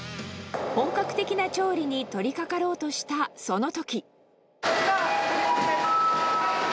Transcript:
本格的な調理に取りかかろうとした、そのとき。